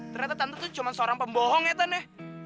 ternyata tante tuh cuma seorang pembohong ya tante